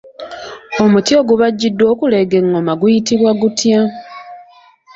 Omuti ogubajjiddwa okuleega engoma guyitibwa gutya?